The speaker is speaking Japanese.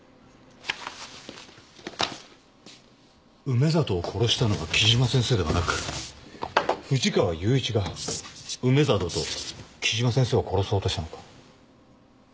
梅里を殺したのは木島先生ではなく藤川雄一が梅里と木島先生を殺そうとしたのか？